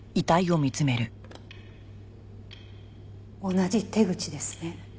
同じ手口ですね。